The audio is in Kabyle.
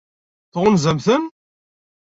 Tɣunzam-ten?